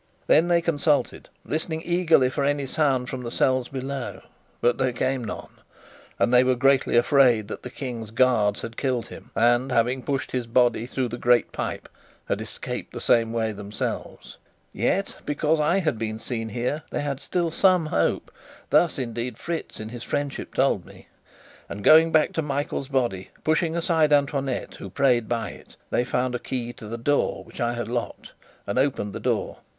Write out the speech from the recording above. Then they consulted, listening eagerly for any sound from the cells below; but there came none, and they were greatly afraid that the King's guards had killed him, and having pushed his body through the great pipe, had escaped the same way themselves. Yet, because I had been seen here, they had still some hope (thus indeed Fritz, in his friendship, told me); and going back to Michael's body, pushing aside Antoinette, who prayed by it, they found a key to the door which I had locked, and opened the door.